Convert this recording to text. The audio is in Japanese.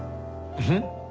うん？